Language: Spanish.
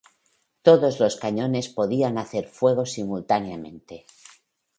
Todos los cañones podían hacer fuego simultáneamente.